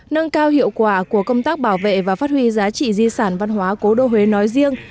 nâng cao hiệu quả của công tác bảo vệ và phát huy giá trị di sản văn hóa cố đô huế nói riêng